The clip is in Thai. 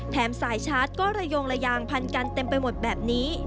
สายชาร์จก็ระโยงระยางพันกันเต็มไปหมดแบบนี้